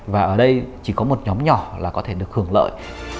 và ở đây chỉ có một nhóm nhỏ là có thể được hưởng lợi